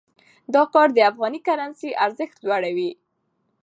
دا کار د افغاني کرنسۍ ارزښت لوړوي.